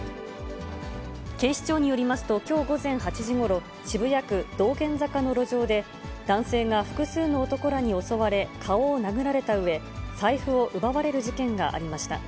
警視庁によりますと、きょう午前８時ごろ、渋谷区道玄坂の路上で、男性が複数の男らに襲われ、顔を殴られたうえ、財布を奪われる事件がありました。